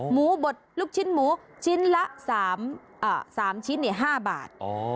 หมูบดลูกชิ้นหมูชิ้นละสามอ่าสามชิ้นเนี่ยห้าบาทอ๋อ